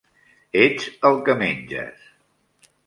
Ets el que menges.